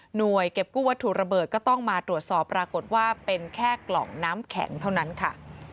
เก็บกู้วัตถุระเบิดก็ต้องมาตรวจสอบปรากฏว่าเป็นแค่กล่องน้ำแข็งเท่านั้นค่ะ